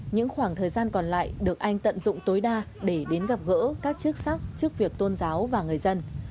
những khoảng thời gian còn lại được anh tận dụng tối đa để đến gặp gỡ các chức sắc chức việc tôn giáo và người dân